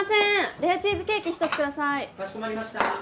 レアチーズケーキ１つください・かしこまりました